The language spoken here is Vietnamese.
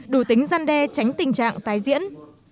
đủ tính gian đe tránh tình trạng tái diễn